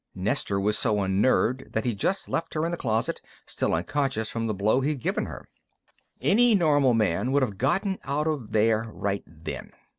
Nestor was so unnerved that he just left her in the closet, still unconscious from the blow he'd given her. "Any normal man would have gotten out of there right then.